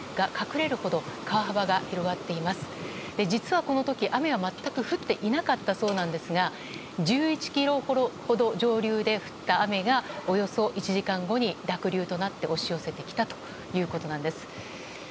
実はこの時、雨は全く降っていなかったそうなんですが１１ｋｍほど上流で降った雨がおよそ１時間後に濁流となって押し寄せてきたということです。